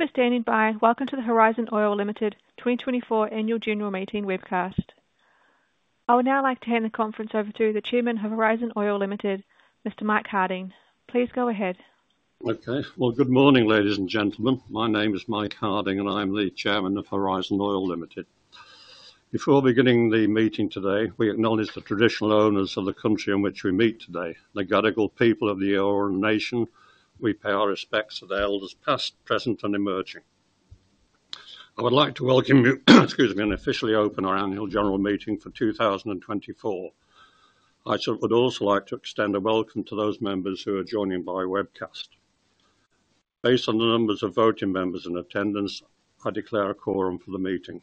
Thank you for standing by. Welcome to the Horizon Oil Limited 2024 Annual General Meeting webcast. I would now like to hand the conference over to the Chairman of Horizon Oil Limited, Mr. Mike Harding. Please go ahead. Okay, well, good morning, ladies and gentlemen. My name is Mike Harding, and I'm the Chairman of Horizon Oil Limited. Before beginning the meeting today, we acknowledge the traditional owners of the country in which we meet today, the Gadigal people of the Eora Nation. We pay our respects to the elders past, present, and emerging. I would like to welcome you, excuse me, and officially open our Annual General Meeting for 2024. I would also like to extend a welcome to those members who are joining by webcast. Based on the numbers of voting members in attendance, I declare a quorum for the meeting.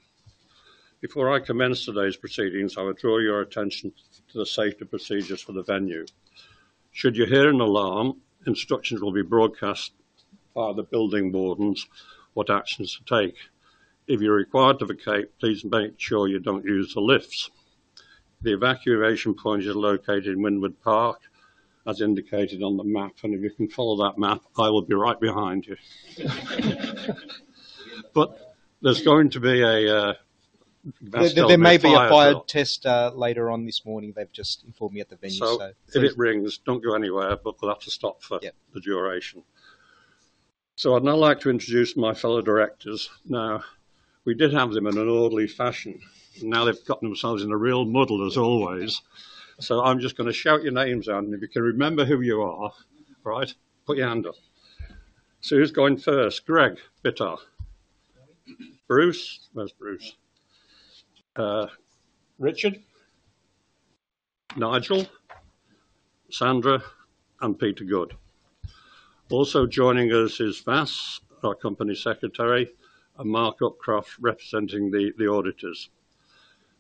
Before I commence today's proceedings, I would draw your attention to the safety procedures for the venue. Should you hear an alarm, instructions will be broadcast by the building wardens what actions to take. If you're required to vacate, please make sure you don't use the lifts. The evacuation points are located in Wynyard Park, as indicated on the map, and if you can follow that map, I will be right behind you. But there's going to be a... There may be a fire test later on this morning. They've just informed me at the venue, so. So if it rings, don't go anywhere. We'll have to stop for the duration. So I'd now like to introduce my fellow directors. Now, we did have them in an orderly fashion. Now they've got themselves in a real muddle, as always. So I'm just going to shout your names out, and if you can remember who you are, right, put your hand up. So who's going first? Greg Bittar. Bruce. Where's Bruce? Richard. Nigel. Sandra. And Peter Goode. Also joining us is Vas, our company secretary, and Marc Upcroft, representing the auditors.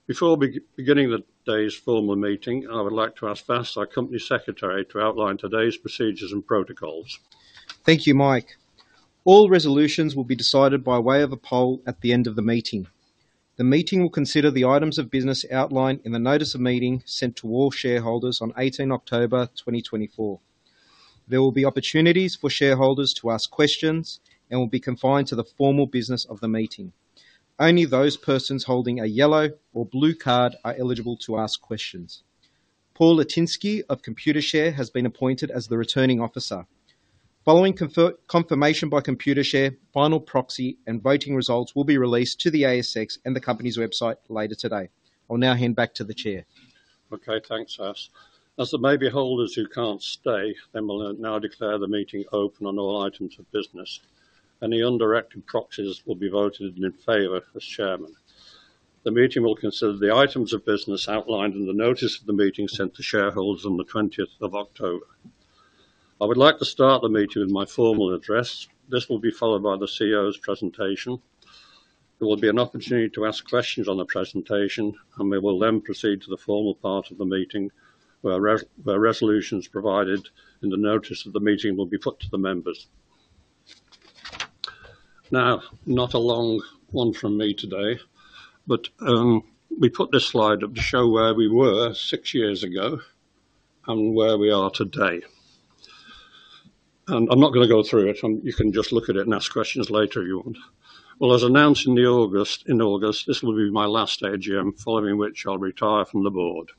Before beginning the day's formal meeting, I would like to ask Vas, our company secretary, to outline today's procedures and protocols. Thank you, Mike. All resolutions will be decided by way of a poll at the end of the meeting. The meeting will consider the items of business outlined in the Notice of meeting sent to all shareholders on 18 October 2024. There will be opportunities for shareholders to ask questions and will be confined to the formal business of the meeting. Only those persons holding a yellow or blue card are eligible to ask questions. Paul Lutinski of Computershare has been appointed as the returning officer. Following confirmation by Computershare, final proxy and voting results will be released to the ASX and the company's website later today. I'll now hand back to the Chair. Okay. Thanks, Vas. As there may be holders who can't stay, then we'll now declare the meeting open on all items of business, and the undirected proxies will be voted in favor as Chairman. The meeting will consider the items of business outlined in the notice of the meeting sent to shareholders on the 20th of October. I would like to start the meeting with my formal address. This will be followed by the CEO's presentation. There will be an opportunity to ask questions on the presentation, and we will then proceed to the formal part of the meeting where resolutions provided in the notice of the meeting will be put to the members. Now, not a long one from me today, but we put this slide up to show where we were six years ago and where we are today, and I'm not going to go through it. You can just look at it and ask questions later if you want. As announced in August, this will be my last AGM, following which I'll retire from the board.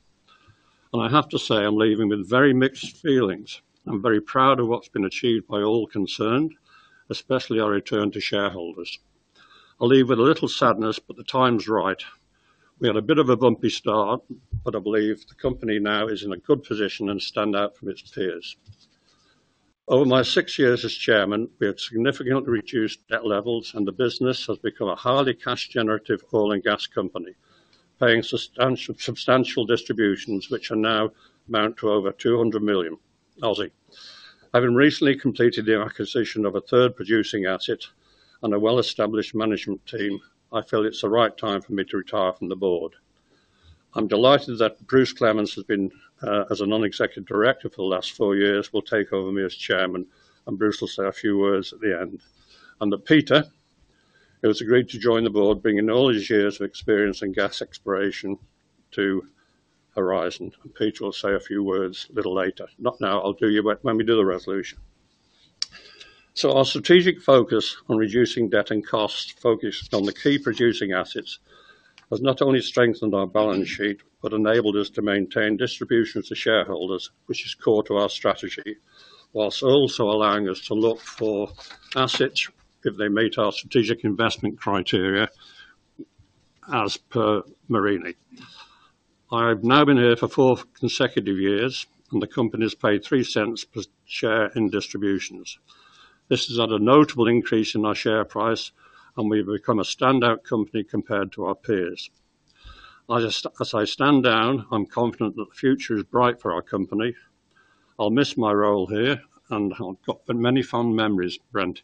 I have to say I'm leaving with very mixed feelings. I'm very proud of what's been achieved by all concerned, especially our return to shareholders. I'll leave with a little sadness, but the time's right. We had a bit of a bumpy start, but I believe the company now is in a good position and stands out from its peers. Over my six years as Chairman, we have significantly reduced debt levels, and the business has become a highly cash-generative oil and gas company, paying substantial distributions which now amount to over 200 million. Having recently completed the acquisition of a third-producing asset and a well-established management team, I feel it's the right time for me to retire from the board. I'm delighted that Bruce Clement, as a non-executive director for the last four years, will take over from me as Chairman, and Bruce will say a few words at the end. And Peter, it was agreed to join the board, bringing all his years of experience in gas exploration to Horizon. And Peter will say a few words a little later. Not now. I'll do you when we do the resolution. Our strategic focus on reducing debt and costs, focused on the key producing assets, has not only strengthened our balance sheet but enabled us to maintain distributions to shareholders, which is core to our strategy, while also allowing us to look for assets if they meet our strategic investment criteria, as per Maari. I have now been here for four consecutive years, and the company has paid 0.03 per share in distributions. This has had a notable increase in our share price, and we've become a standout company compared to our peers. As I stand down, I'm confident that the future is bright for our company. I'll miss my role here, and I've got many fond memories, friend.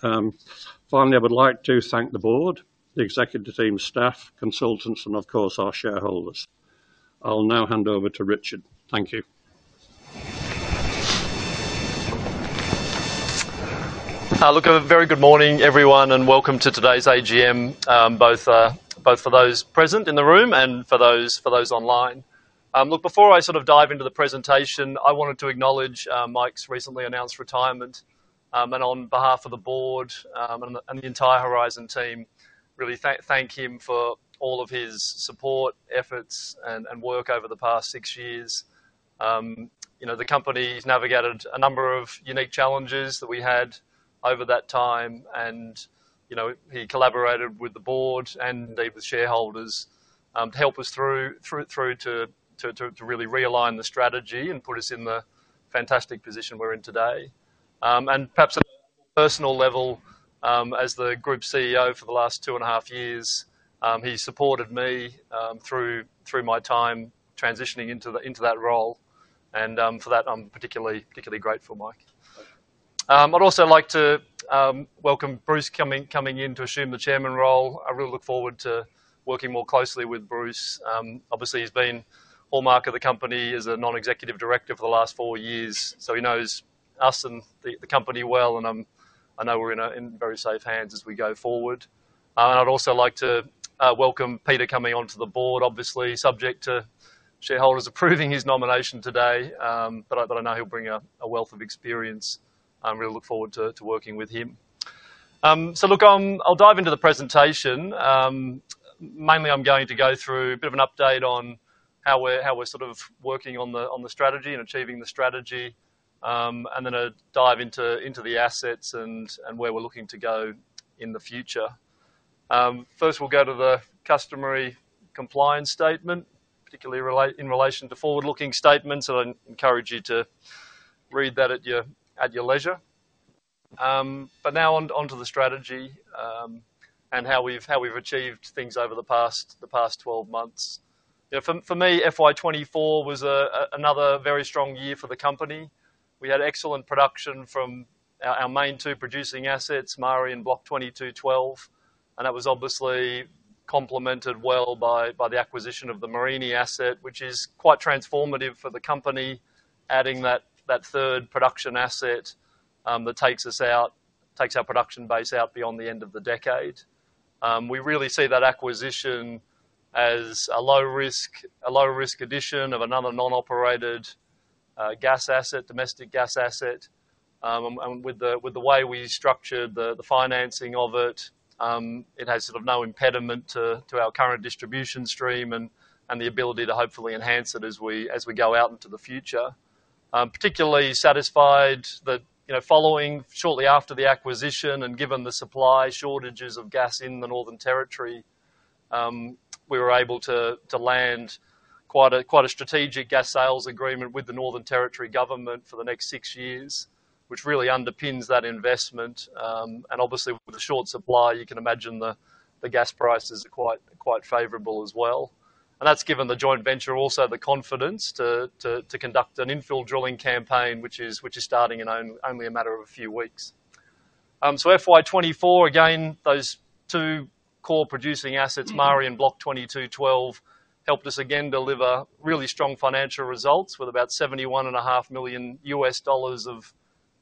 Finally, I would like to thank the board, the executive team, staff, consultants, and of course, our shareholders. I'll now hand over to Richard. Thank you. Look, a very good morning, everyone, and welcome to today's AGM, both for those present in the room and for those online. Look, before I sort of dive into the presentation, I wanted to acknowledge Mike's recently announced retirement, and on behalf of the board and the entire Horizon team, really thank him for all of his support, efforts, and work over the past six years. The company has navigated a number of unique challenges that we had over that time, and he collaborated with the board and with shareholders to help us through to really realign the strategy and put us in the fantastic position we're in today. And perhaps at a personal level, as the group's CEO for the last two and a half years, he supported me through my time transitioning into that role, and for that, I'm particularly grateful, Mike. I'd also like to welcome Bruce coming in to assume the Chairman role. I really look forward to working more closely with Bruce. Obviously, he's been hallmark of the company as a non-executive director for the last four years, so he knows us and the company well, and I know we're in very safe hands as we go forward, and I'd also like to welcome Peter coming onto the board, obviously, subject to shareholders approving his nomination today, but I know he'll bring a wealth of experience, and I really look forward to working with him, so look, I'll dive into the presentation. Mainly, I'm going to go through a bit of an update on how we're sort of working on the strategy and achieving the strategy, and then I'll dive into the assets and where we're looking to go in the future. First, we'll go to the customary compliance statement, particularly in relation to forward-looking statements, and I encourage you to read that at your leisure. But now onto the strategy and how we've achieved things over the past 12 months. For me, FY '24 was another very strong year for the company. We had excellent production from our main two producing assets, Maari and Block 22/12, and that was obviously complemented well by the acquisition of the Mereenie asset, which is quite transformative for the company, adding that third production asset that takes our production base out beyond the end of the decade. We really see that acquisition as a low-risk addition of another non-operated gas asset, domestic gas asset. And with the way we structured the financing of it, it has sort of no impediment to our current distribution stream and the ability to hopefully enhance it as we go out into the future. Particularly satisfied that following shortly after the acquisition and given the supply shortages of gas in the Northern Territory, we were able to land quite a strategic gas sales agreement with the Northern Territory Government for the next six years, which really underpins that investment. And obviously, with the short supply, you can imagine the gas prices are quite favorable as well. And that's given the joint venture also the confidence to conduct an infill drilling campaign, which is starting in only a matter of a few weeks. FY '24, again, those two core producing assets, Maari and Block 22/12, helped us again deliver really strong financial results with about $71.5 million of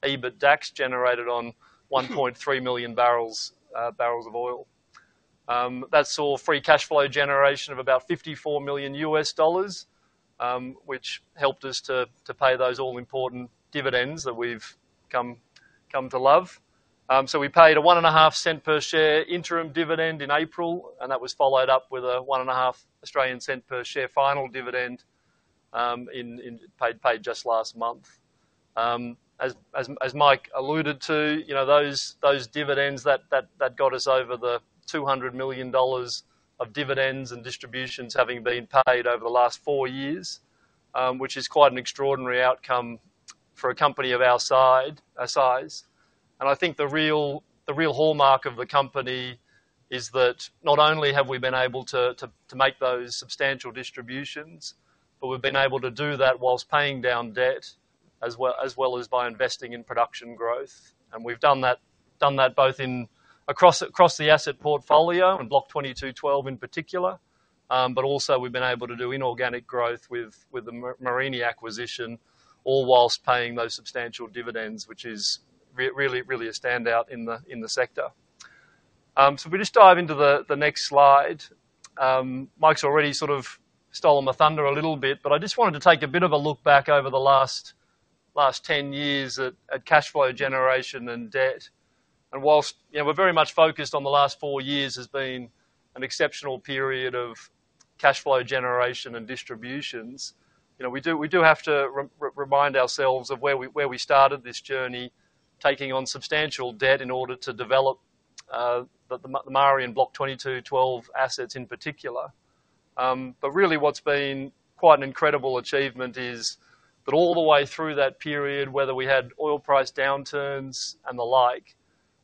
EBITDA generated on 1.3 million barrels of oil. That saw free cash flow generation of about $54 million, which helped us to pay those all-important dividends that we've come to love. So we paid a 1.5-cent per share interim dividend in April, and that was followed up with a 1.5 Australian cents per share final dividend paid just last month. As Mike alluded to, those dividends that got us over the $200 million of dividends and distributions having been paid over the last four years, which is quite an extraordinary outcome for a company of our size. think the real hallmark of the company is that not only have we been able to make those substantial distributions, but we've been able to do that while paying down debt as well as by investing in production growth. And we've done that both across the asset portfolio and Block 22/12 in particular, but also we've been able to do inorganic growth with the Mereenie acquisition, all while paying those substantial dividends, which is really a standout in the sector. If we just dive into the next slide, Mike's already sort of stolen my thunder a little bit, but I just wanted to take a bit of a look back over the last 10 years at cash flow generation and debt. While we're very much focused on the last four years as being an exceptional period of cash flow generation and distributions, we do have to remind ourselves of where we started this journey, taking on substantial debt in order to develop the Maari and Block 22/12 assets in particular. But really, what's been quite an incredible achievement is that all the way through that period, whether we had oil price downturns and the like.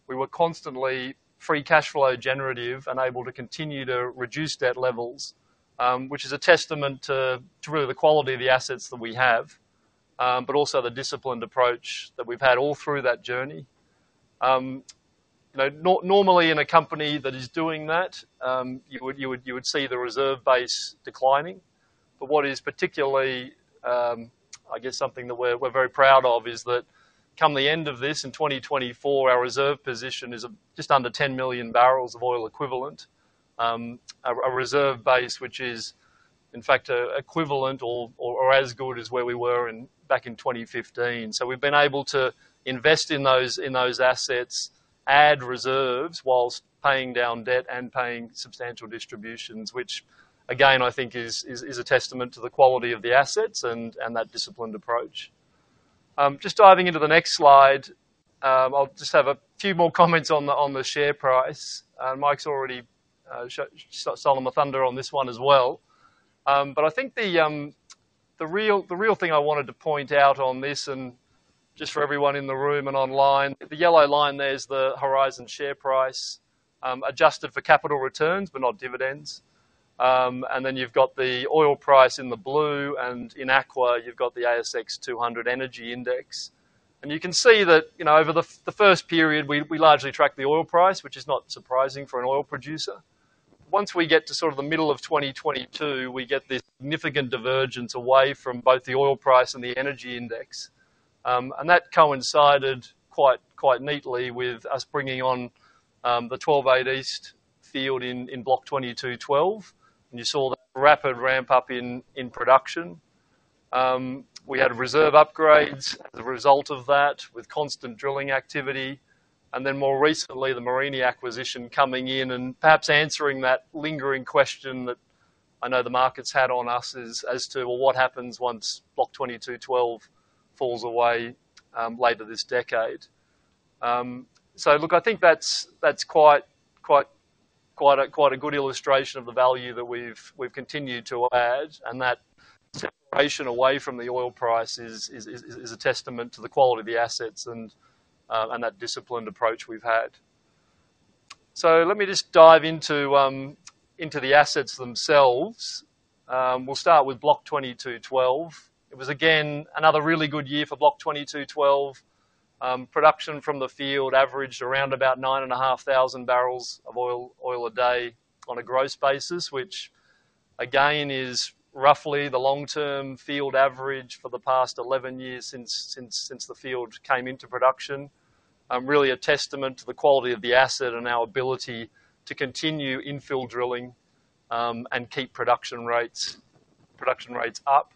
We were constantly free cash flow generative and able to continue to reduce debt levels, which is a testament to really the quality of the assets that we have, but also the disciplined approach that we've had all through that journey. Normally, in a company that is doing that, you would see the reserve base declining. But what is particularly, I guess, something that we're very proud of is that come the end of this in 2024, our reserve position is just under 10 million barrels of oil equivalent, a reserve base which is, in fact, equivalent or as good as where we were back in 2015. So we've been able to invest in those assets, add reserves while paying down debt and paying substantial distributions, which, again, I think is a testament to the quality of the assets and that disciplined approach. Just diving into the next slide, I'll just have a few more comments on the share price. Mike's already stolen my thunder on this one as well. But I think the real thing I wanted to point out on this, and just for everyone in the room and online, the yellow line there is the Horizon share price adjusted for capital returns, but not dividends. And then you've got the oil price in the blue, and in aqua, you've got the ASX 200 energy index. And you can see that over the first period, we largely tracked the oil price, which is not surprising for an oil producer. Once we get to sort of the middle of 2022, we get this significant divergence away from both the oil price and the energy index. And that coincided quite neatly with us bringing on the 12-8 East field in Block 22/12, and you saw that rapid ramp up in production. We had reserve upgrades as a result of that with constant drilling activity. And then more recently, the Mereenie acquisition coming in and perhaps answering that lingering question that I know the markets had on us as to, well, what happens once Block 22/12 falls away later this decade. So look, I think that's quite a good illustration of the value that we've continued to add, and that separation away from the oil price is a testament to the quality of the assets and that disciplined approach we've had. So let me just dive into the assets themselves. We'll start with Block 22/12. It was, again, another really good year for Block 22/12. Production from the field averaged around about 9,500 barrels of oil a day on a gross basis, which, again, is roughly the long-term field average for the past 11 years since the field came into production. Really a testament to the quality of the asset and our ability to continue infill drilling and keep production rates up.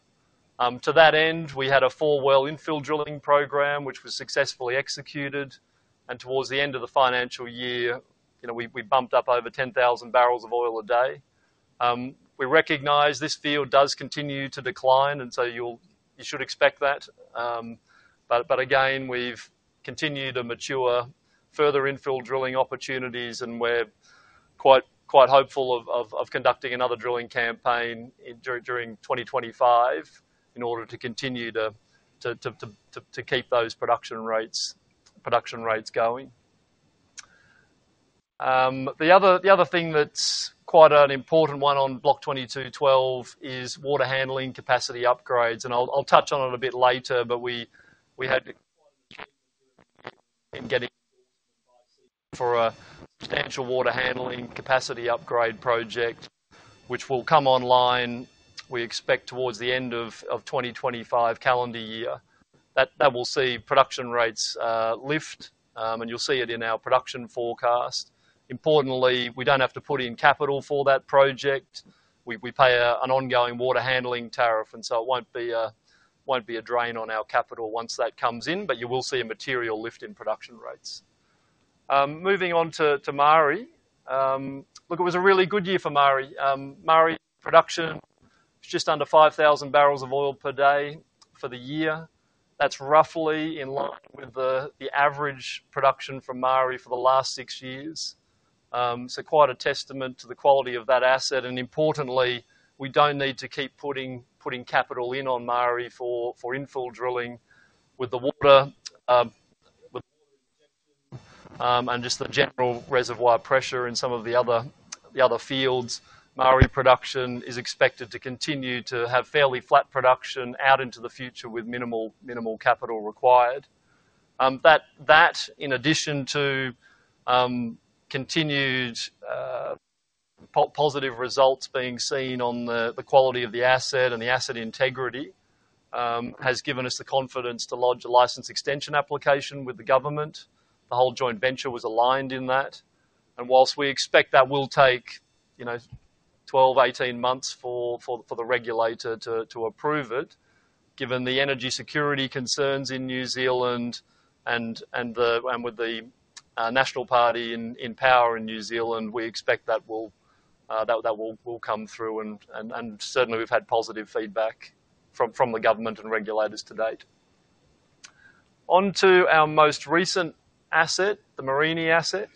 To that end, we had a four-well infill drilling program, which was successfully executed and towards the end of the financial year, we bumped up over 10,000 barrels of oil a day. We recognize this field does continue to decline, and so you should expect that. But again, we've continued to mature further infill drilling opportunities, and we're quite hopeful of conducting another drilling campaign during 2025 in order to continue to keep those production rates going. The other thing that's quite an important one on Block 22/12 is water handling capacity upgrades. And I'll touch on it a bit later, but we had to get in for a substantial water handling capacity upgrade project, which will come online, we expect, towards the end of 2025 calendar year. That will see production rates lift, and you'll see it in our production forecast. Importantly, we don't have to put in capital for that project. We pay an ongoing water handling tariff, and so it won't be a drain on our capital once that comes in, but you will see a material lift in production rates. Moving on to Maari. Look, it was a really good year for Maari. Maari's production was just under 5,000 barrels of oil per day for the year. That's roughly in line with the average production from Maari for the last six years. So quite a testament to the quality of that asset. And importantly, we don't need to keep putting capital in on Maari for infill drilling. With the water injection and just the general reservoir pressure in some of the other fields, Maari production is expected to continue to have fairly flat production out into the future with minimal capital required. That, in addition to continued positive results being seen on the quality of the asset and the asset integrity, has given us the confidence to lodge a license extension application with the government. The whole joint venture was aligned in that and while we expect that will take 12-18 months for the regulator to approve it, given the energy security concerns in New Zealand and with the National Party in power in New Zealand, we expect that will come through. Certainly, we've had positive feedback from the government and regulators to date. Onto our most recent asset, the Mereenie asset.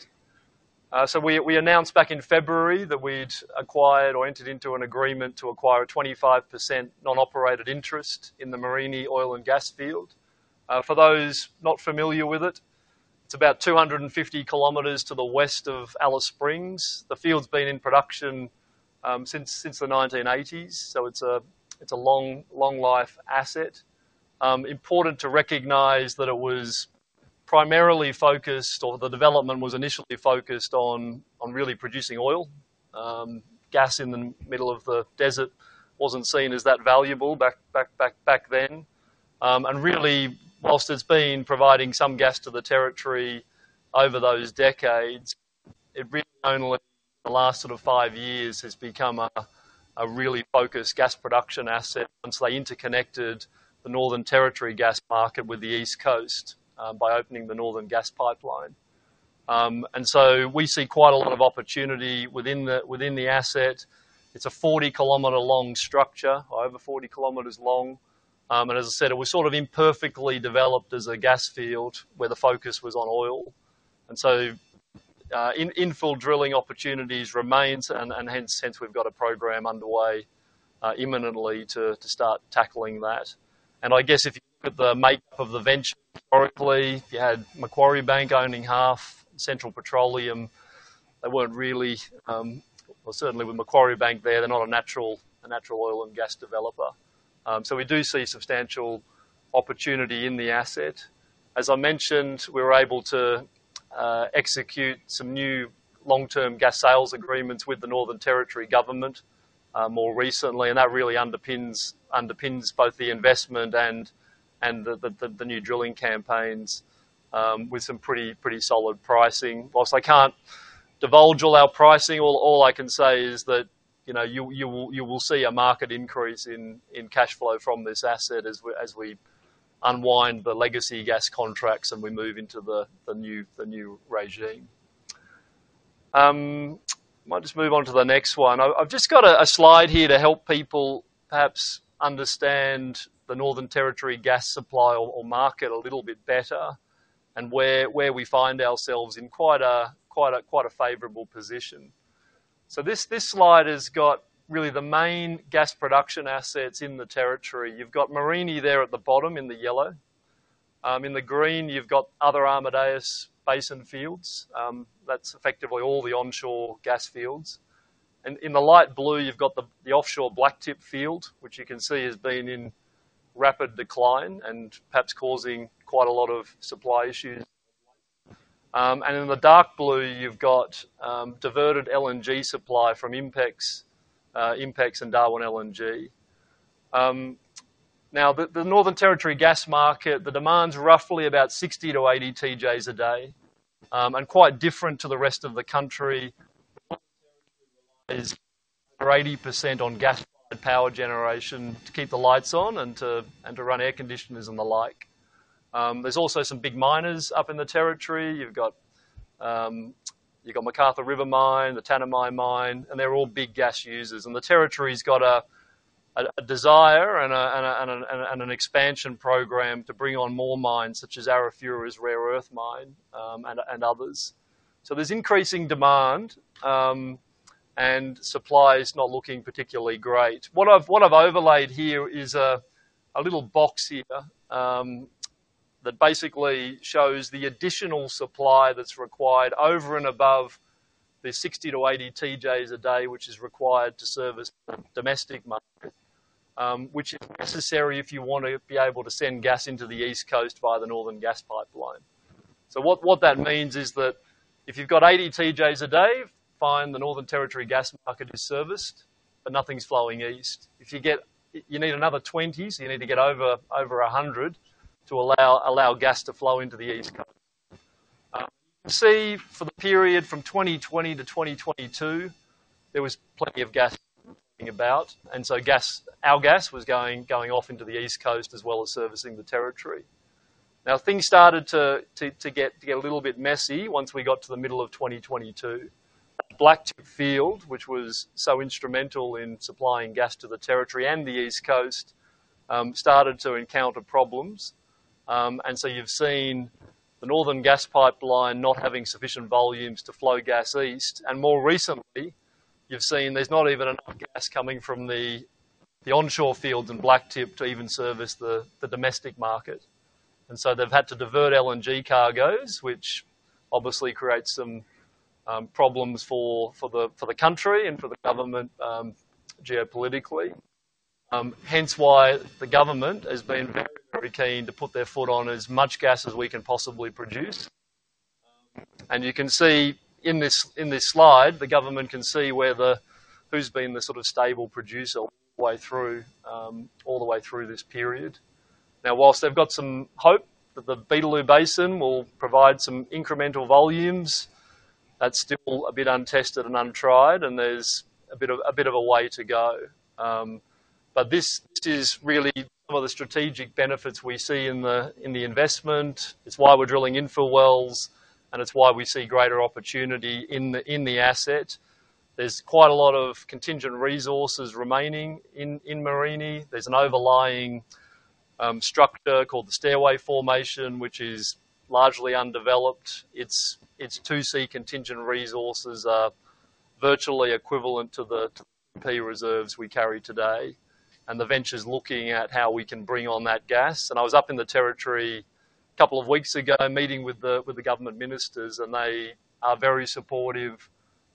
So we announced back in February that we'd acquired or entered into an agreement to acquire a 25% non-operated interest in the Mereenie oil and gas field. For those not familiar with it, it's about 250 km to the west of Alice Springs. The field's been in production since the 1980s, so it's a long-life asset. Important to recognize that it was primarily focused, or the development was initially focused on really producing oil. Gas in the middle of the desert wasn't seen as that valuable back then. And really, whilst it's been providing some gas to the territory over those decades, it really only in the last sort of five years has become a really focused gas production asset once they interconnected the Northern Territory gas market with the East Coast by opening the Northern Gas Pipeline. And so we see quite a lot of opportunity within the asset. It's a 40-kilometer-long structure, over 40 kilometers long, and as I said, it was sort of imperfectly developed as a gas field where the focus was on oil, and so infill drilling opportunities remain, and hence, we've got a program underway imminently to start tackling that, and I guess if you look at the makeup of the venture historically, you had Macquarie Bank owning half, Central Petroleum. They weren't really, well, certainly with Macquarie Bank there, they're not a natural oil and gas developer. So we do see substantial opportunity in the asset. As I mentioned, we were able to execute some new long-term gas sales agreements with the Northern Territory government more recently, and that really underpins both the investment and the new drilling campaigns with some pretty solid pricing. While I can't divulge all our pricing, all I can say is that you will see a market increase in cash flow from this asset as we unwind the legacy gas contracts and we move into the new regime. Might just move on to the next one. I've just got a slide here to help people perhaps understand the Northern Territory gas supply or market a little bit better and where we find ourselves in quite a favorable position. So this slide has got really the main gas production assets in the territory. You've got Mereenie there at the bottom in the yellow. In the green, you've got other Amadeus Basin fields. That's effectively all the onshore gas fields, and in the light blue, you've got the offshore Blacktip field, which you can see has been in rapid decline and perhaps causing quite a lot of supply issues. And in the dark blue, you've got diverted LNG supply from INPEX and Darwin LNG. Now, the Northern Territory gas market, the demand's roughly about 60-80 TJ/d and quite different to the rest of the country. The Northern Territory relies 80% on gas-fired power generation to keep the lights on and to run air conditioners and the like. There's also some big miners up in the territory. You've got McArthur River Mine, the Tanami Mine, and they're all big gas users. And the territory's got a desire and an expansion program to bring on more mines such as Arafura's Rare Earth Mine and others. So there's increasing demand and supply is not looking particularly great. What I've overlaid here is a little box here that basically shows the additional supply that's required over and above the 60 to 80 TJ/d, which is required to service domestic markets, which is necessary if you want to be able to send gas into the East Coast via the Northern Gas Pipeline. So what that means is that if you've got 80 TJ/d, fine, the Northern Territory gas market is serviced, but nothing's flowing east. If you need another 20, so you need to get over 100 to allow gas to flow into the East Coast. You can see for the period from 2020 to 2022, there was plenty of gas going about. And so our gas was going off into the East Coast as well as servicing the territory. Now, things started to get a little bit messy once we got to the middle of 2022. The Blacktip field, which was so instrumental in supplying gas to the territory and the East Coast, started to encounter problems. And so you've seen the Northern Gas Pipeline not having sufficient volumes to flow gas east. And more recently, you've seen there's not even enough gas coming from the onshore fields in Blacktip to even service the domestic market. And so they've had to divert LNG cargoes, which obviously creates some problems for the country and for the government geopolitically. Hence why the government has been very, very keen to put their foot on as much gas as we can possibly produce. And you can see in this slide, the government can see who's been the sort of stable producer all the way through this period. Now, while they've got some hope that the Beetaloo Basin will provide some incremental volumes, that's still a bit untested and untried, and there's a bit of a way to go, but this is really some of the strategic benefits we see in the investment. It's why we're drilling infill wells, and it's why we see greater opportunity in the asset. There's quite a lot of contingent resources remaining in Mereenie. There's an overlying structure called the Stairway Formation, which is largely undeveloped. Its 2C contingent resources are virtually equivalent to the 2P reserves we carry today, and the venture's looking at how we can bring on that gas. And I was up in the territory a couple of weeks ago meeting with the government ministers, and they are very supportive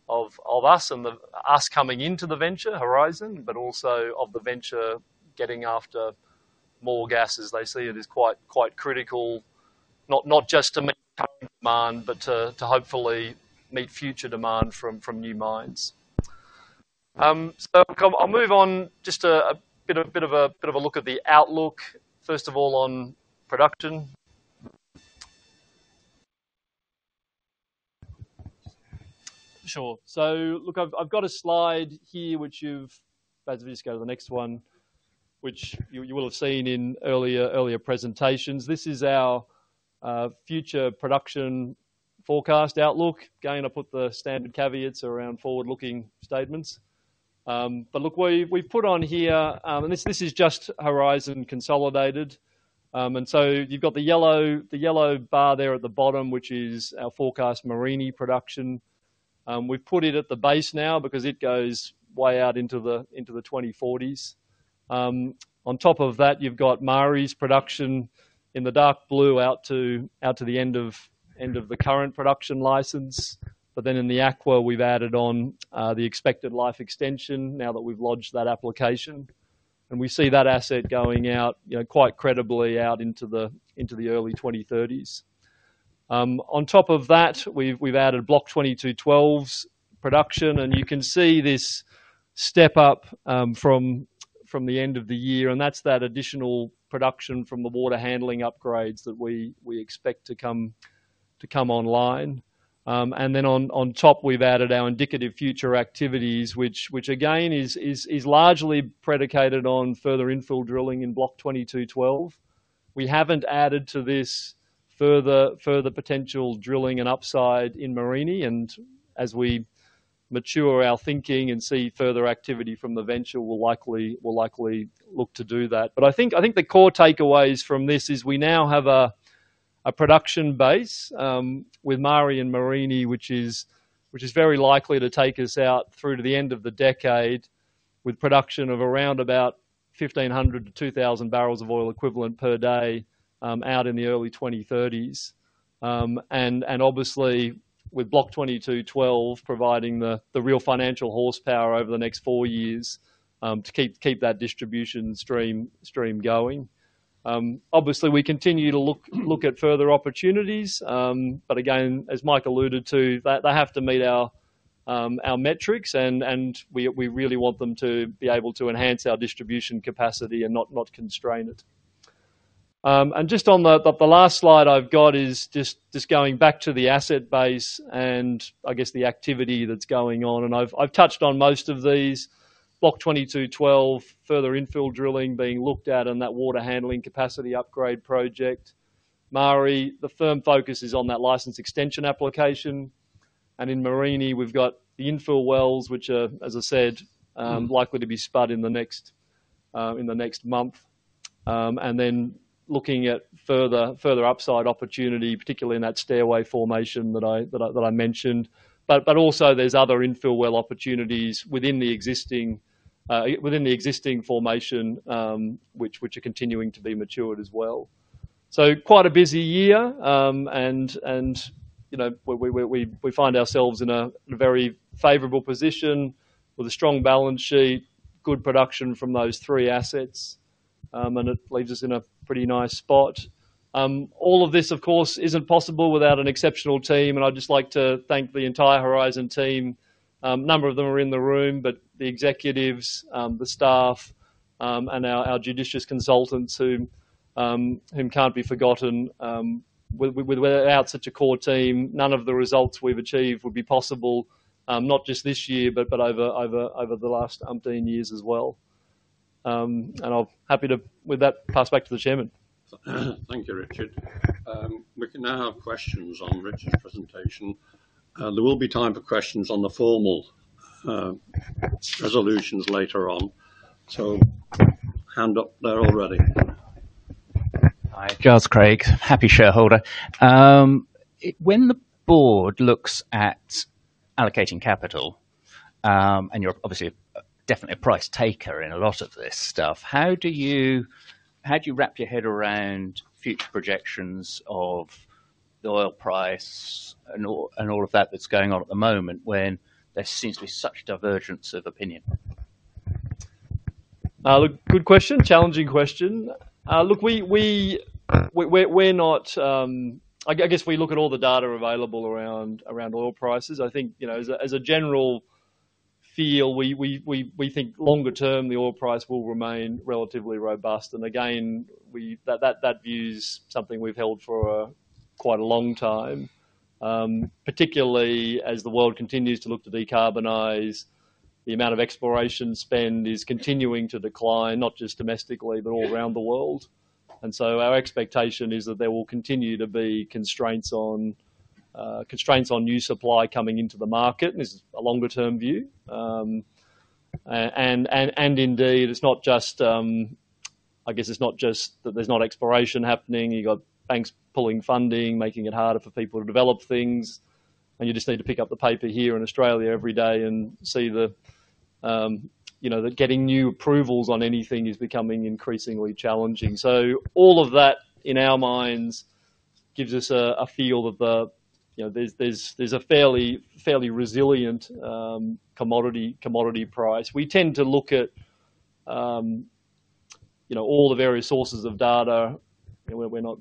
of us and us coming into the venture, Horizon, but also of the venture getting after more gas as they see it as quite critical, not just to meet current demand, but to hopefully meet future demand from new mines. So I'll move on just a bit of a look at the outlook, first of all, on production. Sure. So look, I've got a slide here, which you've as we just go to the next one, which you will have seen in earlier presentations. This is our future production forecast outlook. Again, I put the standard caveats around forward-looking statements. But look, we've put on here and this is just Horizon Consolidated. And so you've got the yellow bar there at the bottom, which is our forecast Mereenie production. We've put it at the base now because it goes way out into the 2040s. On top of that, you've got Maari's production in the dark blue out to the end of the current production license. But then in the aqua, we've added on the expected life extension now that we've lodged that application. And we see that asset going out quite credibly out into the early 2030s. On top of that, we've added Block 22/12's production. And you can see this step up from the end of the year. And that's that additional production from the water handling upgrades that we expect to come online. And then on top, we've added our indicative future activities, which again is largely predicated on further infill drilling in Block 22/12. We haven't added to this further potential drilling and upside in Mereenie. And as we mature our thinking and see further activity from the venture, we'll likely look to do that. But I think the core takeaways from this is we now have a production base with Maari and Mereenie, which is very likely to take us out through to the end of the decade with production of around about 1,500-2,000 barrels of oil equivalent per day out in the early 2030s. And obviously, with Block 22/12 providing the real financial horsepower over the next four years to keep that distribution stream going. Obviously, we continue to look at further opportunities. But again, as Mike alluded to, they have to meet our metrics. And we really want them to be able to enhance our distribution capacity and not constrain it. And just on the last slide I've got is just going back to the asset base and I guess the activity that's going on. And I've touched on most of these: Block 22/12, further infill drilling being looked at, and that water handling capacity upgrade project. Maari, the main focus is on that license extension application. And in Mereenie, we've got the infill wells, which are, as I said, likely to be spud in the next month. And then looking at further upside opportunity, particularly in that Stairway Formation that I mentioned. But also, there's other infill well opportunities within the existing formation, which are continuing to be matured as well. So quite a busy year. And we find ourselves in a very favorable position with a strong balance sheet, good production from those three assets. And it leaves us in a pretty nice spot. All of this, of course, isn't possible without an exceptional team, and I'd just like to thank the entire Horizon team. A number of them are in the room, but the executives, the staff, and our judicious consultants who can't be forgotten. Without such a core team, none of the results we've achieved would be possible, not just this year, but over the last 18 years as well, and I'm happy to, with that, pass back to the chairman. Thank you, Richard. We can now have questions on Richard's presentation. There will be time for questions on the formal resolutions later on. So hand up there already. Hi. Charles Craig, happy shareholder. When the board looks at allocating capital, and you're obviously definitely a price taker in a lot of this stuff, how do you wrap your head around future projections of the oil price and all of that that's going on at the moment when there seems to be such divergence of opinion? Good question. Challenging question. Look, I guess we look at all the data available around oil prices. I think as a general feel, we think longer term, the oil price will remain relatively robust. And again, that view is something we've held for quite a long time, particularly as the world continues to look to decarbonize. The amount of exploration spend is continuing to decline, not just domestically, but all around the world. And so our expectation is that there will continue to be constraints on new supply coming into the market. This is a longer-term view. And indeed, I guess it's not just that there's not exploration happening. You've got banks pulling funding, making it harder for people to develop things. And you just need to pick up the paper here in Australia every day and see that getting new approvals on anything is becoming increasingly challenging. So all of that, in our minds, gives us a feel of there's a fairly resilient commodity price. We tend to look at all the various sources of data. We're not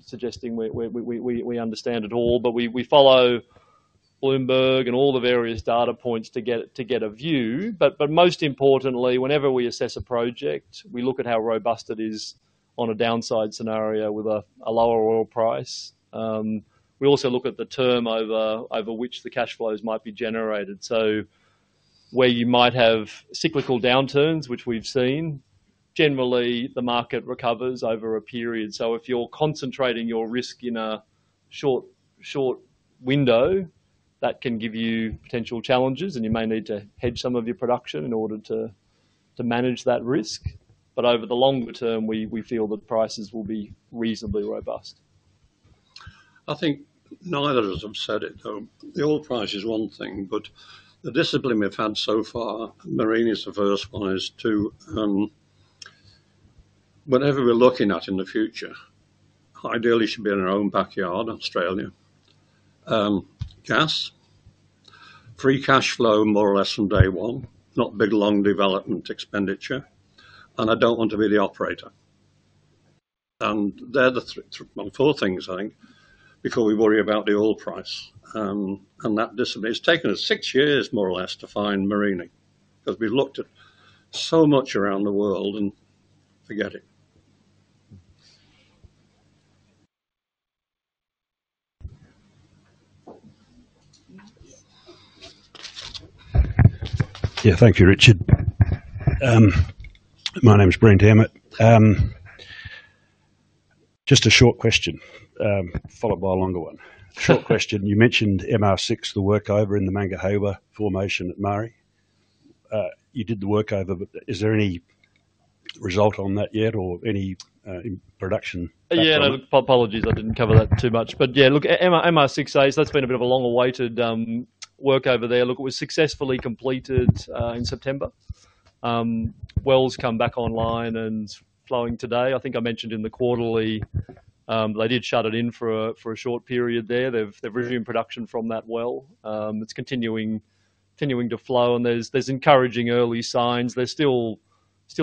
suggesting we understand it all, but we follow Bloomberg and all the various data points to get a view. But most importantly, whenever we assess a project, we look at how robust it is on a downside scenario with a lower oil price. We also look at the term over which the cash flows might be generated. So where you might have cyclical downturns, which we've seen, generally, the market recovers over a period. So if you're concentrating your risk in a short window, that can give you potential challenges, and you may need to hedge some of your production in order to manage that risk. But over the longer term, we feel that prices will be reasonably robust. I think neither of them said it, though. The oil price is one thing, but the discipline we've had so far, Maari's the first one, is to whatever we're looking at in the future, ideally should be in our own backyard, Australia, gas, free cash flow more or less from day one, not big long development expenditure. And I don't want to be the operator. And they're the four things, I think, before we worry about the oil price. And that discipline has taken us six years, more or less, to find Mereenie because we've looked at so much around the world and forget it. Yeah, thank you, Richard. My name's Brendan Hermit. Just a short question, followed by a longer one. Short question. You mentioned MR6, the workover in the Mangahewa Formation at Maari. You did the workover, but is there any result on that yet or any production? Yeah, apologies. I didn't cover that too much. But yeah, look, MR6A, so that's been a bit of a long-awaited workover there. Look, it was successfully completed in September. Wells come back online and flowing today. I think I mentioned in the quarterly, they did shut it in for a short period there. They've resumed production from that well. It's continuing to flow, and there's encouraging early signs. They're still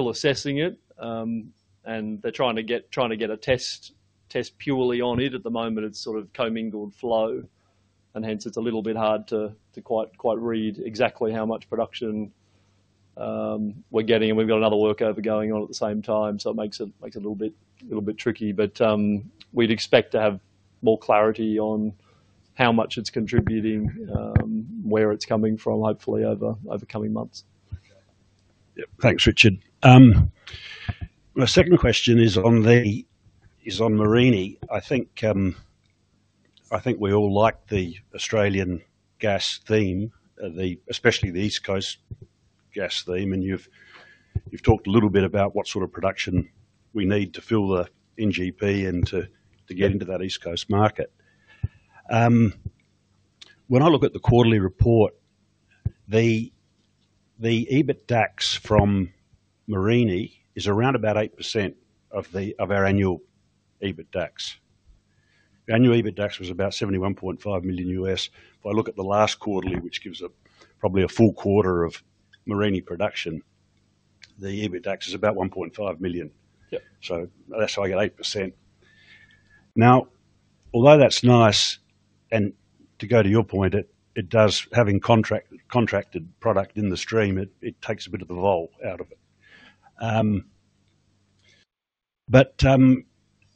assessing it, and they're trying to get a test purely on it. At the moment, it's sort of commingled flow, and hence, it's a little bit hard to quite read exactly how much production we're getting. And we've got another workover going on at the same time, so it makes it a little bit tricky. But we'd expect to have more clarity on how much it's contributing, where it's coming from, hopefully, over coming months. Thanks, Richard. My second question is on Mereenie. I think we all like the Australian gas theme, especially the East Coast gas theme. And you've talked a little bit about what sort of production we need to fill the NGP and to get into that East Coast market. When I look at the quarterly report, the EBITDAX from Mereenie is around about 8% of our annual EBITDAX. Our annual EBITDAX was about $71.5 million. If I look at the last quarterly, which gives probably a full quarter of Mereenie production, the EBITDAX is about $1.5 million. So that's how I get 8%. Now, although that's nice, and to go to your point, having contracted product in the stream, it takes a bit of the lull out of it. But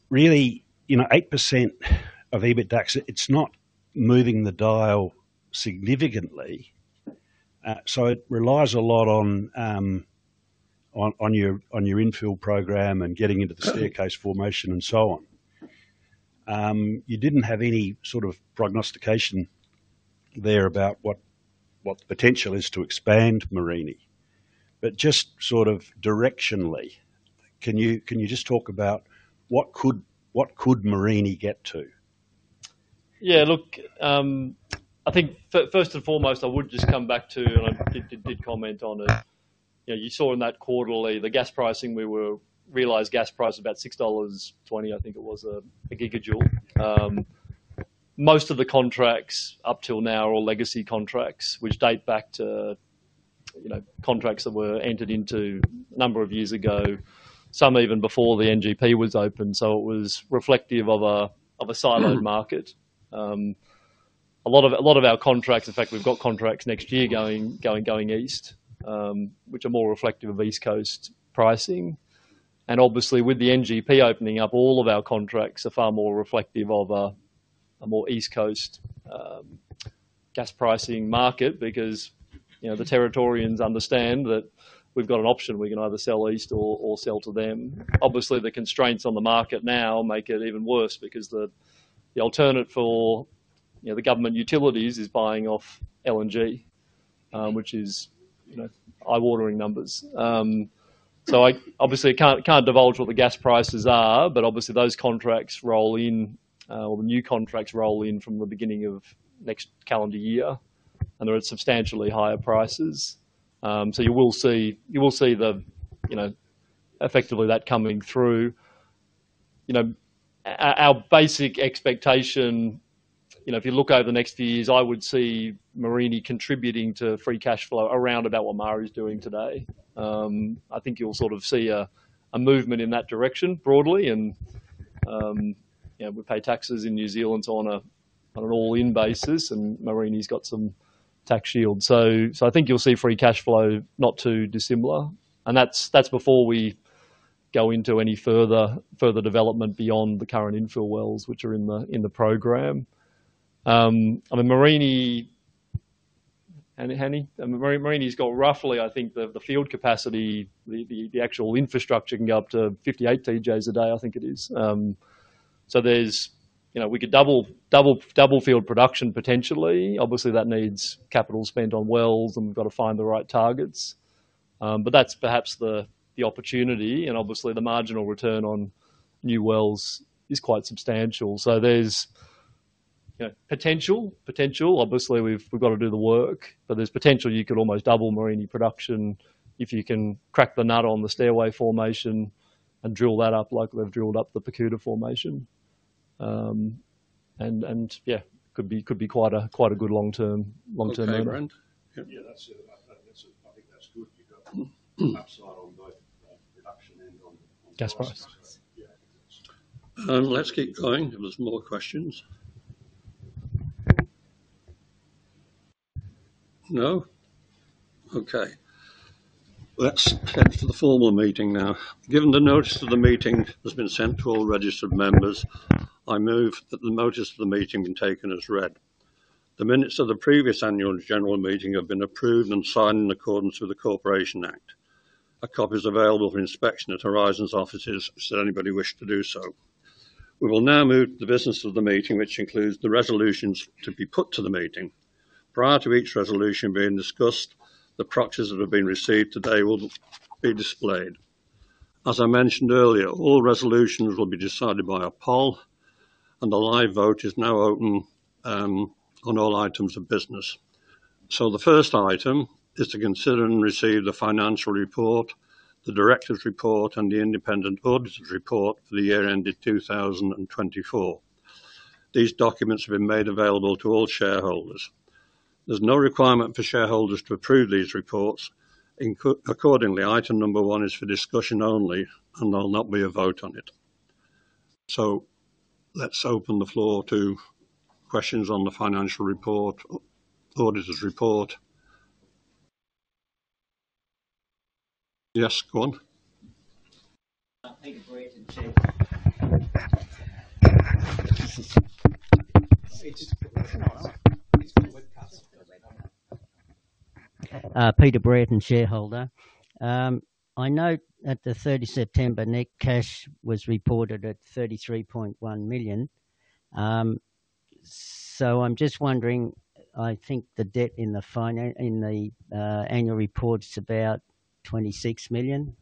really, 8% of EBITDAX, it's not moving the dial significantly. So it relies a lot on your infill program and getting into the Stairway Formation and so on. You didn't have any sort of prognostication there about what the potential is to expand Mereenie. But just sort of directionally, can you just talk about what could Mereenie get to? Yeah, look, I think first and foremost, I would just come back to, and I did comment on it. You saw in that quarterly the gas pricing. We realized gas price was about 6.20 dollars, I think it was, a gigajoule. Most of the contracts up till now are all legacy contracts, which date back to contracts that were entered into a number of years ago, some even before the NGP was open. So it was reflective of a siloed market. A lot of our contracts, in fact, we've got contracts next year going east, which are more reflective of East Coast pricing, and obviously, with the NGP opening up, all of our contracts are far more reflective of a more East Coast gas pricing market because the Territorians understand that we've got an option. We can either sell east or sell to them. Obviously, the constraints on the market now make it even worse because the alternative for the government utilities is buying off LNG, which is eye-watering numbers. So obviously, I can't divulge what the gas prices are, but obviously, those contracts roll in, or the new contracts roll in from the beginning of next calendar year, and they're at substantially higher prices. So you will see the effect of that coming through. Our basic expectation, if you look over the next few years, I would see Mereenie contributing to free cash flow around about what Maari is doing today. I think you'll sort of see a movement in that direction broadly. And we pay taxes in New Zealand on an all-in basis, and Mereenie's got some tax shield. So I think you'll see free cash flow not too dissimilar. And that's before we go into any further development beyond the current infill wells, which are in the program. I mean, Maari's got roughly, I think, the field capacity, the actual infrastructure can go up to 58 TJ/d, I think it is. So we could double field production potentially. Obviously, that needs capital spent on wells, and we've got to find the right targets. That is perhaps the opportunity. And obviously, the marginal return on new wells is quite substantial. So there's potential. Obviously, we've got to do the work, but there's potential you could almost double Maari production if you can crack the nut on the Stairway Formation and drill that up like they've drilled up the Pacoota Formation. And yeah, could be quite a good long-term moment. Yeah, that's it. I think that's good. You've got upside on both production and on gas price. Yeah. Let's keep going unless more questions. No? Okay. Let's head to the formal meeting now. Given the notice of the meeting has been sent to all registered members, I move that the notice of the meeting be taken as read. The minutes of the previous annual general meeting have been approved and signed in accordance with the Corporations Act. A copy is available for inspection at Horizon's offices should anybody wish to do so. We will now move to the business of the meeting, which includes the resolutions to be put to the meeting. Prior to each resolution being discussed, the proxies that have been received today will be displayed. As I mentioned earlier, all resolutions will be decided by a poll, and the live vote is now open on all items of business. So the first item is to consider and receive the financial report, the Director's Report, and the Independent Auditor's Report for the year ended 2024. These documents have been made available to all shareholders. There's no requirement for shareholders to approve these reports. Accordingly, item number one is for discussion only, and there'll not be a vote on it. So let's open the floor to questions on the financial report, auditor's report. Yes, go on. Peter Britton, shareholder. I know at the 30th of September, net cash was reported at 33.1 million. So I'm just wondering, I think the debt in the annual report is about 26 million.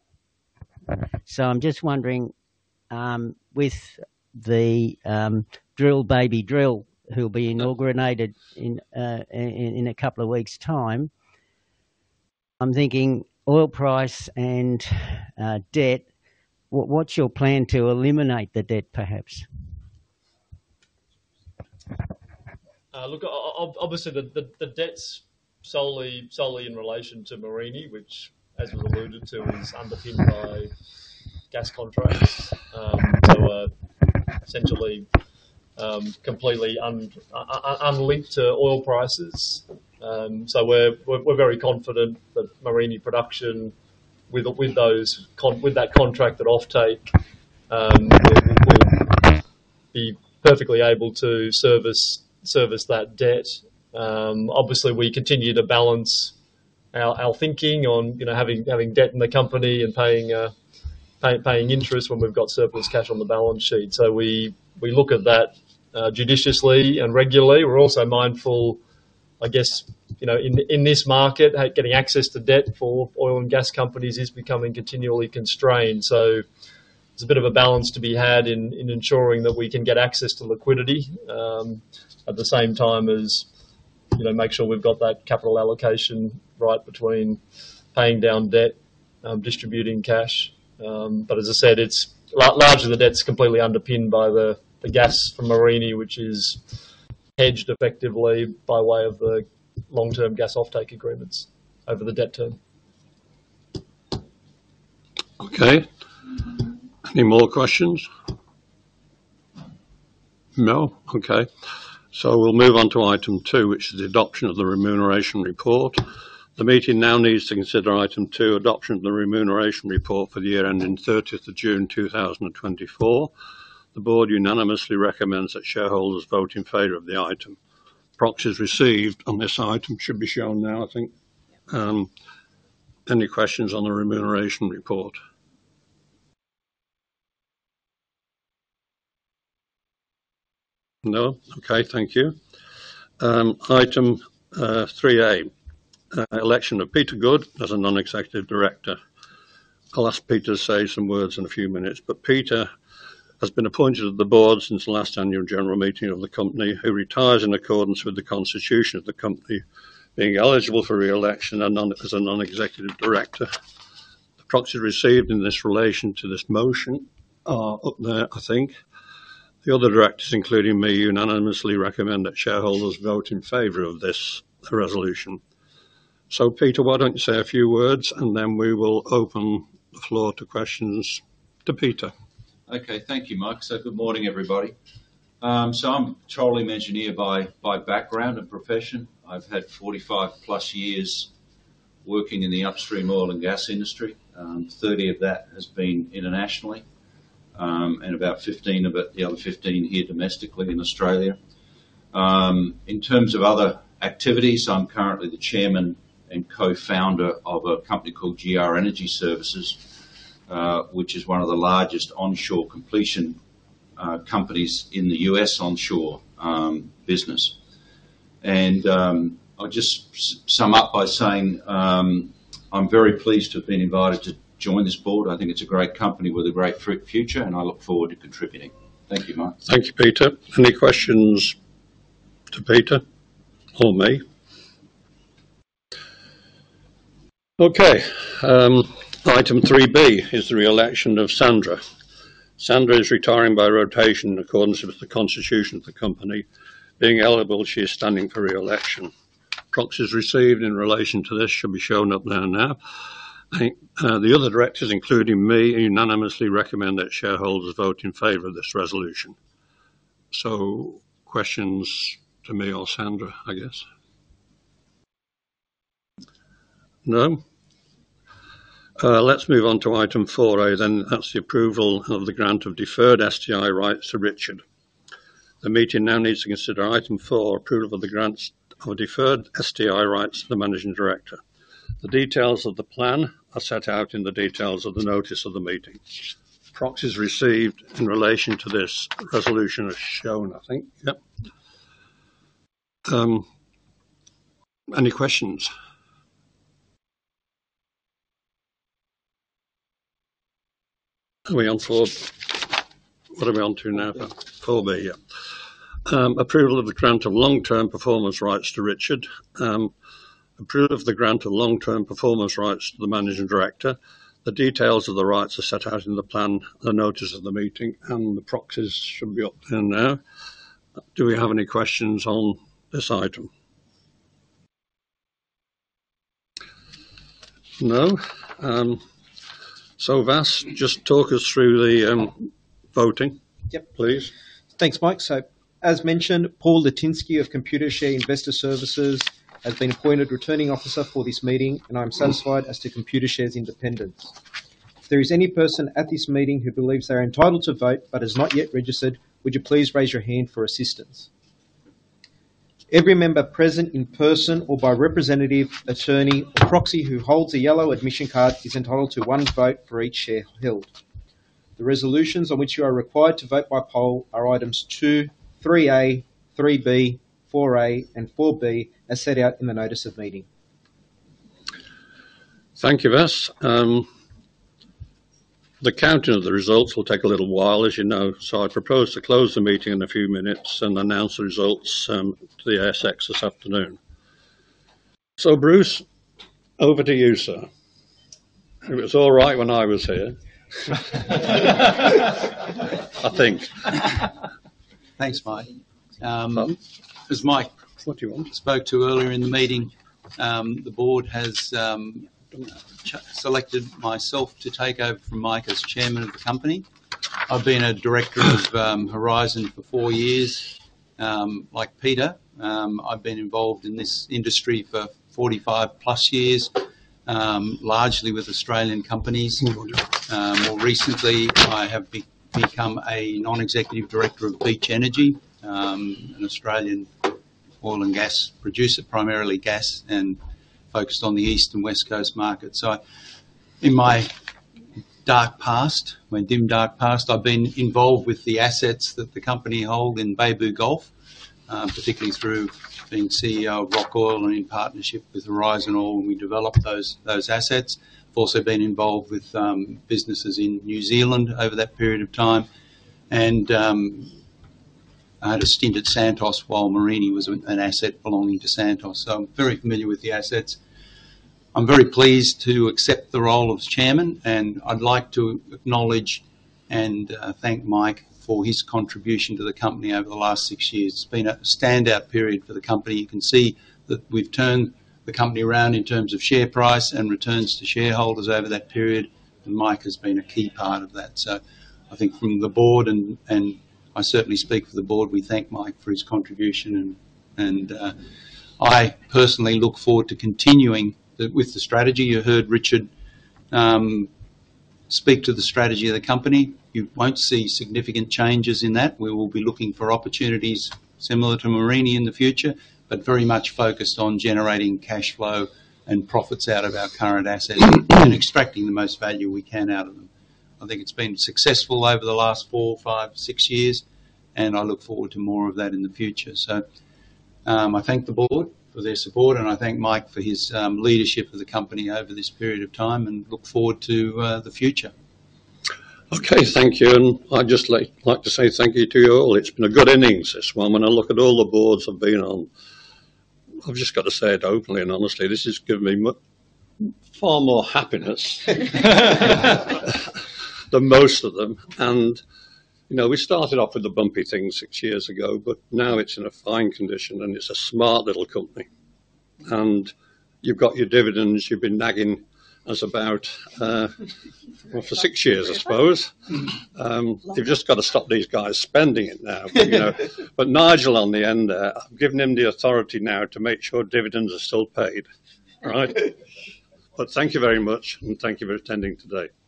So I'm just wondering, with the drill, baby drill, who'll be inaugurated in a couple of weeks' time, I'm thinking oil price and debt, what's your plan to eliminate the debt, perhaps? Look, obviously, the debt's solely in relation to Mereenie, which, as we've alluded to, is underpinned by gas contracts. So essentially, completely unlinked to oil prices. So we're very confident that Maari production, with that contracted offtake, will be perfectly able to service that debt. Obviously, we continue to balance our thinking on having debt in the company and paying interest when we've got surplus cash on the balance sheet. So we look at that judiciously and regularly. We're also mindful, I guess, in this market, getting access to debt for oil and gas companies is becoming continually constrained. So it's a bit of a balance to be had in ensuring that we can get access to liquidity at the same time as make sure we've got that capital allocation right between paying down debt, distributing cash. But as I said, largely, the debt's completely underpinned by the gas from Mereenie, which is hedged effectively by way of the long-term gas offtake agreements over the debt term. Okay. Any more questions? No? Okay. So we'll move on to item two, which is the adoption of the Remuneration Report. The meeting now needs to consider item two, adoption of the Remuneration Report for the year ending 30th of June 2024. The board unanimously recommends that shareholders vote in favor of the item. Proxies received on this item should be shown now, I think. Any questions on the Remuneration Report? No? Okay. Thank you. Item 3A, election of Peter Goode as a non-executive director. I'll ask Peter to say some words in a few minutes. But Peter has been appointed to the board since the last annual general meeting of the company, who retires in accordance with the constitution of the company, being eligible for re-election as a non-executive director. The proxies received in relation to this motion are up there, I think. The other directors, including me, unanimously recommend that shareholders vote in favor of this resolution. Peter, why don't you say a few words, and then we will open the floor to questions to Peter. Okay. Thank you, Mike. Good morning, everybody. I'm a petroleum engineer by background and profession. I've had 45-plus years working in the upstream oil and gas industry. 30 of that has been internationally, and about 15 of the other 15 here domestically in Australia. In terms of other activities, I'm currently the chairman and co-founder of a company called GR Energy Services, which is one of the largest onshore completion companies in the U.S. onshore business. I'll just sum up by saying I'm very pleased to have been invited to join this board. I think it's a great company with a great future, and I look forward to contributing. Thank you, Mike. Thank you, Peter. Any questions to Peter or me? Okay. Item 3B is the reelection of Sandra. Sandra is retiring by rotation in accordance with the constitution of the company. Being eligible, she is standing for reelection. Proxies received in relation to this should be shown up there now. The other directors, including me, unanimously recommend that shareholders vote in favor of this resolution. So questions to me or Sandra, I guess? No? Let's move on to item 4A then. That's the approval of the grant of deferred STI rights to Richard. The meeting now needs to consider item 4, approval of the grants of deferred STI rights to the managing director. The details of the plan are set out in the details of the notice of the meeting. Proxies received in relation to this resolution as shown, I think. Yep. Any questions? Are we on forward? What are we on to now? 4B, yeah. Approval of the grant of long-term performance rights to Richard. Approval of the grant of long-term performance rights to the managing director. The details of the rights are set out in the plan, the notice of the meeting, and the proxies should be up there now. Do we have any questions on this item? No? So Vass, just talk us through the voting, please. Thanks, Mike. So as mentioned, Paul Lutinski of Computershare Investor Services has been appointed returning officer for this meeting, and I'm satisfied as to Computershare's independence. If there is any person at this meeting who believes they're entitled to vote but is not yet registered, would you please raise your hand for assistance? Every member present in person or by representative, attorney, or proxy who holds a yellow admission card is entitled to one vote for each share held. The resolutions on which you are required to vote by poll are items 2, 3A, 3B, 4A, and 4B as set out in the notice of meeting. Thank you, Vas. The counting of the results will take a little while, as you know. So I propose to close the meeting in a few minutes and announce the results to the ASX this afternoon. So Bruce, over to you, sir. It was all right when I was here, I think. Thanks, Mike. As Mike spoke to earlier in the meeting, the board has selected myself to take over from Mike as chairman of the company. I've been a director of Horizon for four years, like Peter. I've been involved in this industry for 45-plus years, largely with Australian companies. More recently, I have become a non-executive director of Beach Energy, an Australian oil and gas producer, primarily gas and focused on the East and West Coast markets. In my dark past, my dim dark past, I've been involved with the assets that the company holds in Beibu Gulf, particularly through being CEO of Roc Oil and in partnership with Horizon Oil, and we developed those assets. I've also been involved with businesses in New Zealand over that period of time, and I had a stint at Santos while Maari was an asset belonging to Santos. I'm very familiar with the assets. I'm very pleased to accept the role of Chairman, and I'd like to acknowledge and thank Mike for his contribution to the company over the last six years. It's been a standout period for the company. You can see that we've turned the company around in terms of share price and returns to shareholders over that period. And Mike has been a key part of that. So I think from the board, and I certainly speak for the board, we thank Mike for his contribution. And I personally look forward to continuing with the strategy. You heard Richard speak to the strategy of the company. You won't see significant changes in that. We will be looking for opportunities similar to Mereenie in the future, but very much focused on generating cash flow and profits out of our current assets and extracting the most value we can out of them. I think it's been successful over the last four, five, six years, and I look forward to more of that in the future. So I thank the board for their support, and I thank Mike for his leadership of the company over this period of time and look forward to the future. Okay. Thank you. And I'd just like to say thank you to you all. It's been a good innings this one. When I look at all the boards I've been on, I've just got to say it openly and honestly. This has given me far more happiness than most of them. And we started off with the bumpy thing six years ago, but now it's in a fine condition, and it's a smart little company. And you've got your dividends. You've been nagging us about for six years, I suppose. You've just got to stop these guys spending it now. But Nigel on the end there, I've given him the authority now to make sure dividends are still paid, right? But thank you very much, and thank you for attending today.